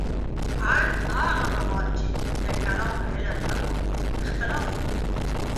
ان هغه مهال چې د کلام علم نه و اختلاف وو.